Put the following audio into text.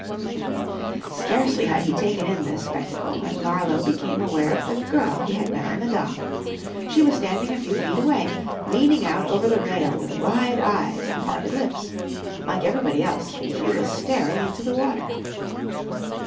Scarcely had he taken in this spectacle when Marlowe became aware of the girl he had met on the dock. She was standing a few feet away, leaning out over the rail with wide eyes and parted lips. Like everybody else, she was staring into the water.